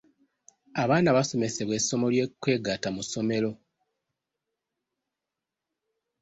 Abaana basomesebwa essomo ly'okwegatta mu ssomero?